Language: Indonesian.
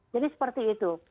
jadi seperti itu